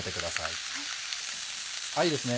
いいですね